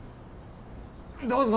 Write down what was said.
どうぞ。